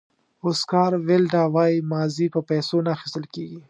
اوسکار ویلډ وایي ماضي په پیسو نه اخیستل کېږي.